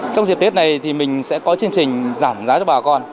trong dịp tết này thì mình sẽ có chương trình giảm giá cho bà con